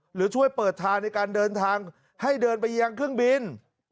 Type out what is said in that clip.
หรือช่วยเปิดทางในการเดินทางให้เดินไปยังเครื่องบิน